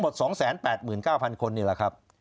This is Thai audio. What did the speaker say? ทั้งหมด๒๘๙๐๐๐คนนี่แหละครับ